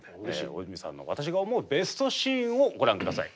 大泉さんの私が思うベストシーンをご覧下さい。